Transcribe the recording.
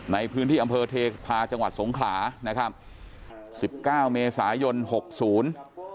ในพื้นที่อำเภอเทพาส์จังหวัดสงขา๑๙เมษายนหกศูนย์